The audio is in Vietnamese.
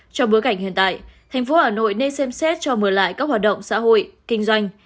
trong bối cảnh hiện tại thành phố hà nội nên xem xét cho mở lại các hoạt động xã hội kinh doanh